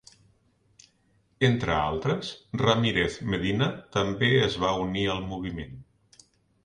Entre altres, Ramirez Medina també es va unir al moviment.